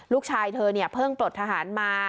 ลูกชายเธอเนี่ยเพิ่งปลดทหารมา